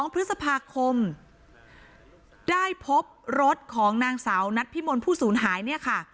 ๒พฤษภาคมได้พบรถของนางสาวนัดพิมลผู้สูญหายเนี่ยค่ะ